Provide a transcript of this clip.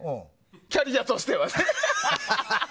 キャリアとしてはね。